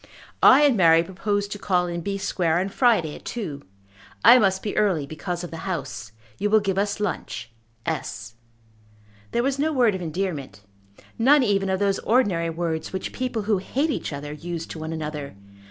"I and Mary propose to call in B. Square on Friday at two. I must be early because of the House. You will give us lunch. S." There was no word of endearment, none even of those ordinary words which people who hate each other use to one another.